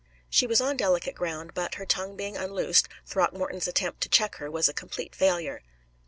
She was on delicate ground, but, her tongue being unloosed, Throckmorton's attempt to check her was a complete failure.